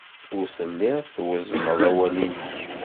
Ur tellid twezzned awal-nnek.